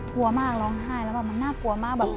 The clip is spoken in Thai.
กลัวมากร้องไห้แล้วแบบมันน่ากลัวมากแบบ